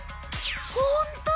ホント！